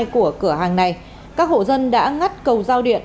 của cửa hàng này các hộ dân đã ngắt cầu giao điện